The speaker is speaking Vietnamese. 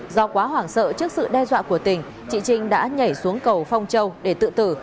do quá hoảng sợ trước sự đe dọa của tỉnh chị trinh đã nhảy xuống cầu phong châu để tự tử